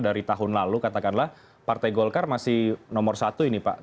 dari tahun lalu katakanlah partai golkar masih nomor satu ini pak